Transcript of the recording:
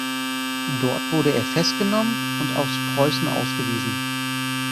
Dort wurde er festgenommen und aus Preußen ausgewiesen.